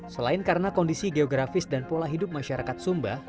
selain karena kondisi geografis dan pola hidup masyarakat sumba